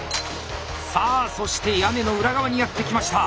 さあそして屋根の裏側にやって来ました。